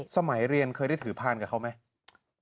สมัยเรียนเคยได้ถือพานกับเขาไหม